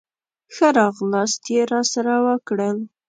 ښه راغلاست یې راسره وکړل.